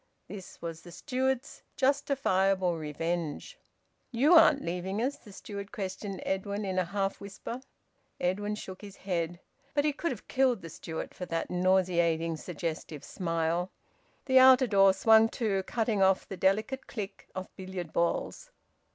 This was the steward's justifiable revenge. "You aren't leaving us?" the steward questioned Edwin in a half whisper. Edwin shook his head. But he could have killed the steward for that nauseating suggestive smile. The outer door swung to, cutting off the delicate click of billiard balls.